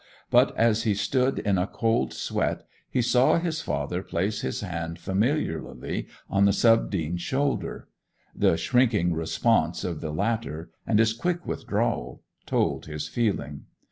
But as he stood in a cold sweat he saw his father place his hand familiarly on the sub dean's shoulder; the shrinking response of the latter, and his quick withdrawal, told his feeling.